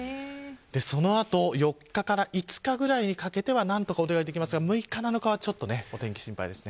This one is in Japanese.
その後４日から５日ぐらいにかけては何とかもちますが６日、７日お天気が心配ですね。